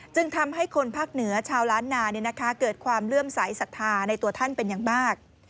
จึงทำให้คนภาคเหนือชาวล้านนาเกิดความเลื่อมสายศรัทธาในตัวท่านเป็นอย่างมาก